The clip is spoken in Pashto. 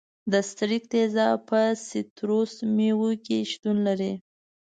د ستریک تیزاب په سیتروس میوو کې شتون لري.